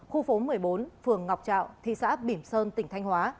khu phố một mươi bốn phường ngọc trạo thị xã bỉm sơn tỉnh thanh hóa